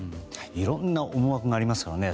いろんな思惑がありますからね。